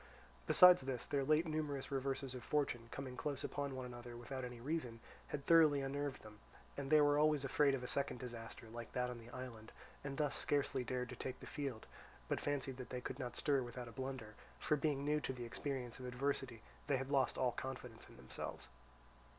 Besides this, their late numerous reverses of fortune, coming close one upon another without any reason, had thoroughly unnerved them, and they were always afraid of a second disaster like that on the island, and thus scarcely dared to take the field, but fancied that they could not stir without a blunder, for being new to the experience of adversity they had lost all confidence in themselves.